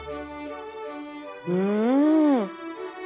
うん！